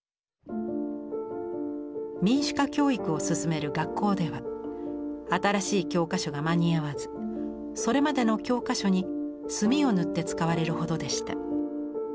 民主化教育を進める学校では新しい教科書が間に合わずそれまでの教科書に墨を塗って使われるほどでした。